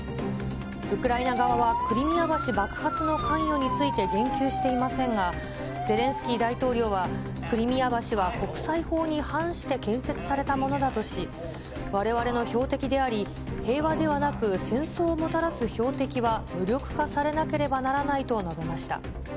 ウクライナ側はクリミア橋爆発の関与について言及していませんが、ゼレンスキー大統領は、クリミア橋は国際法に反して建設されたものだとし、われわれの標的であり、平和ではなく戦争をもたらす標的は無力化されなければならないと述べました。